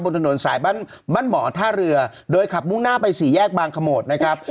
ถนนสายบ้านหมอท่าเรือโดยขับมุ่งหน้าไปสี่แยกบางขโมดนะครับ